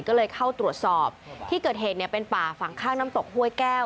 ก็เลยเข้าตรวจสอบที่เกิดเหตุเนี่ยเป็นป่าฝั่งข้างน้ำตกห้วยแก้ว